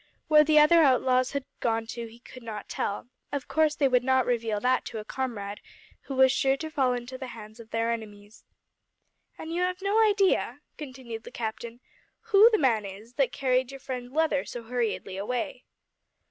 Where the other outlaws had gone to he could not tell of course they would not reveal that to a comrade who was sure to fall into the hands of their enemies. "And you have no idea," continued the captain, "who the man is that carried your friend Leather so hurriedly away?"